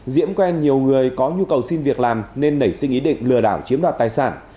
diễm quen nhiều người có nhu cầu xin việc làm nên nảy sinh ý định lừa đảo chiếm đoạt tài sản